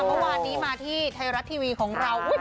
เมื่อวานนี้มาที่ไทยรัฐทีวีของเรา